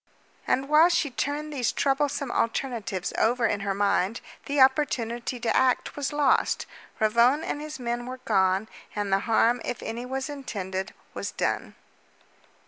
And while she turned these troublesome alternatives over in her mind, the opportunity to act was lost. Ravone and his men were gone, and the harm, if any was intended, was done.